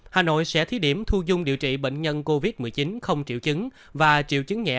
hà nội sẽ thí điểm thu dung điều trị bệnh nhân covid một mươi chín không triệu chứng và triệu chứng nhẹ